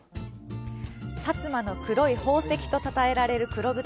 薩摩の黒い宝石とたたえられる黒豚。